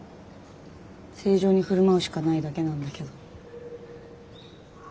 正常に振る舞うしかないだけなんだけど。